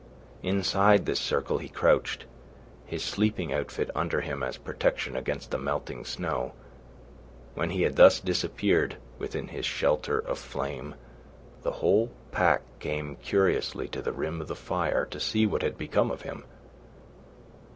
Inside this circle he crouched, his sleeping outfit under him as a protection against the melting snow. When he had thus disappeared within his shelter of flame, the whole pack came curiously to the rim of the fire to see what had become of him.